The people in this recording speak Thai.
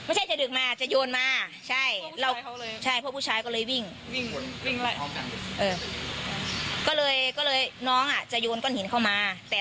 รับไม่ได้หนูว่ารับไม่ได้หนูอยากให้มีคนพาลูกแกไปรักษา